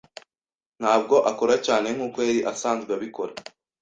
Ntabwo akora cyane nkuko yari asanzwe abikora